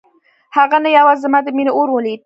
هغه نه یوازې زما د مينې اور ولید.